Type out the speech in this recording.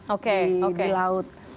oke di laut